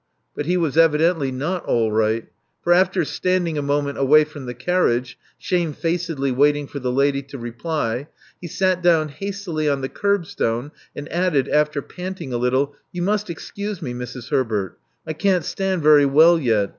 But he was evidently not all right ; for after standing a moment away from the carriage, shamefacedly waiting for the lady to reply, he sat down hastily on the kerbstone, and added, after panting a little, You must excuse me, Mrs. Herbert. I can't stand very well yet.